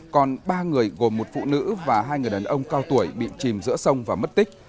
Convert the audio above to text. còn ba người gồm một phụ nữ và hai người đàn ông cao tuổi bị chìm giữa sông và mất tích